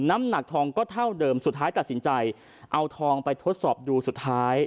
น้ำหนักทองก็เท่าเดิมสุดท้ายตัดสินใจเอาทองไปทดสอบดูสุดท้าย